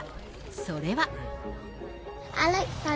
それは。